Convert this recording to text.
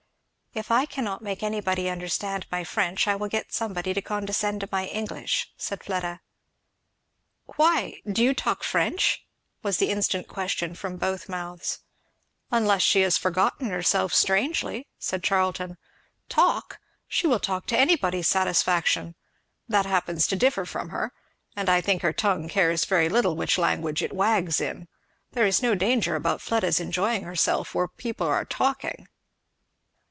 "If I cannot make anybody understand my French I will get somebody to condescend to my English," said Fleda. "Why do you talk French?" was the instant question from both mouths. "Unless she has forgotten herself strangely," said Charlton. "Talk! she will talk to anybody's satisfaction that happens to differ from her; and I think her tongue cares very little which language it wags in. There is no danger about Fleda's enjoying herself, where people are talking."